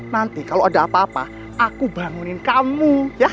nanti kalau ada apa apa aku bangunin kamu